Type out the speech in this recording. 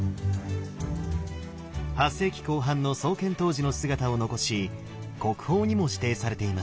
８世紀後半の創建当時の姿を残し国宝にも指定されています。